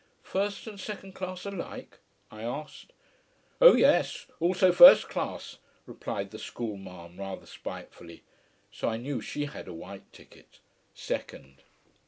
"First and second class alike?" I asked. "Oh yes, also first class," replied the school marm rather spitefully. So I knew she had a white ticket second.